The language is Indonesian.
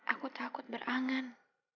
aku takut berangan